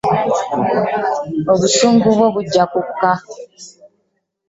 Obusungu bwo bujja kukka.